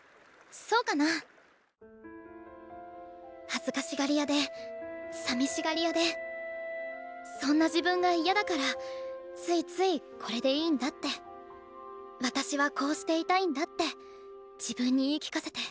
恥ずかしがり屋でさみしがり屋でそんな自分が嫌だからついついこれでいいんだって私はこうしていたいんだって自分に言い聞かせて。